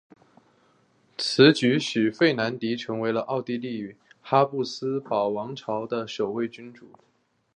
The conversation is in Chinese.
此举使费迪南成为了奥地利哈布斯堡皇朝的首位君主。